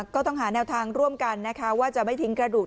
ก็ต้องหาแนวทางร่วมกันนะคะว่าจะไม่ทิ้งกระดูก